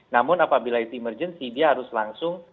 namun apabila itu emergency dia harus langsung